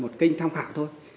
một kênh tham khảo thôi